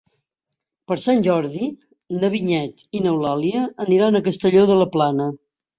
Per Sant Jordi na Vinyet i n'Eulàlia aniran a Castelló de la Plana.